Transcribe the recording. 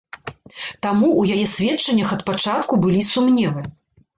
Таму ў яе сведчаннях ад пачатку былі сумневы.